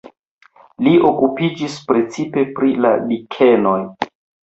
Li okupiĝis precipe pri la likenoj.